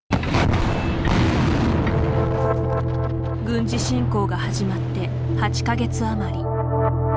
軍事侵攻が始まって８か月余り。